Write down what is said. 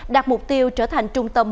đạt mục tiêu trở thành trung tâm